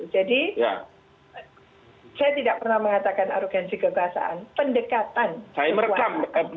jadi saya tidak pernah mengatakan arogansi kekuasaan pendekatan kekuasaan